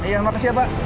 iya makasih ya pak